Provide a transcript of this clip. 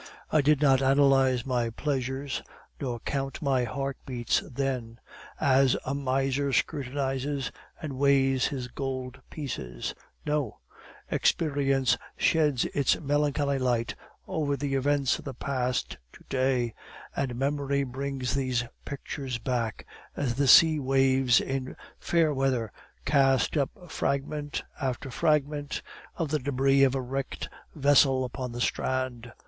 "I did not analyze my pleasures nor count my heartbeats then, as a miser scrutinizes and weighs his gold pieces. No; experience sheds its melancholy light over the events of the past to day, and memory brings these pictures back, as the sea waves in fair weather cast up fragment after fragment of the debris of a wrecked vessel upon the strand.